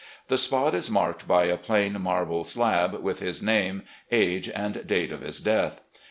The spot is marked by a plain marble slab, with his name, age, and date of his death.